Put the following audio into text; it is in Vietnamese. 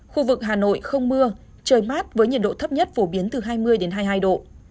khu vực hà nội không mưa trời mát với nhiệt độ thấp nhất phổ biến từ hai mươi hai mươi hai độ